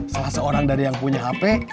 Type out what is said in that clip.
salah seorang dari yang punya hp